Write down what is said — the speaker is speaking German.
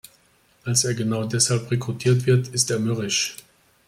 Als er genau deshalb rekrutiert wird, ist er mürrisch.